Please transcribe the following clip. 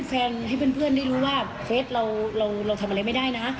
แฟนให้เพื่อนได้รู้ว่าเฟสเราทำอะไรไม่ได้นะ